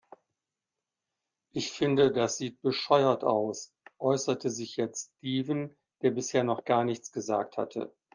Ich finde, das sieht bescheuert aus, äußerte sich jetzt Steven, der bisher noch gar nichts gesagt hatte.